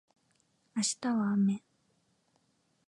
明日は雨